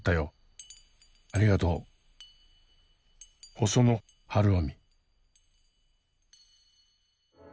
細野晴臣。